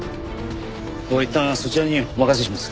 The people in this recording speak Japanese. いったんそちらにお任せします。